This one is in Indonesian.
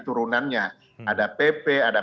turunannya ada pp ada